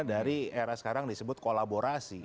dari era sekarang disebut kolaborasi